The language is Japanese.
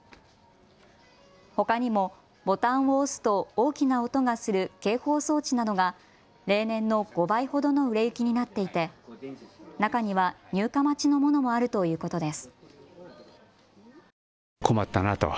ほかにもボタンを押すと大きな音がする警報装置などが例年の５倍ほどの売れ行きになっていて中には入荷待ちのものもあるということです。